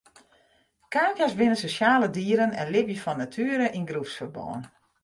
Kavia's binne sosjale dieren en libje fan natuere yn groepsferbân.